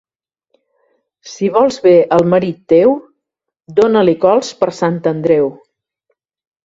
Si vols bé al marit teu, dóna-li cols per Sant Andreu.